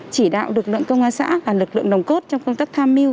chỉ đạo lực lượng công an xã và lực lượng nồng cốt trong công tác tham mưu